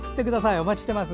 お待ちしています。